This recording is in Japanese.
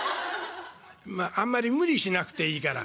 「あんまり無理しなくていいから。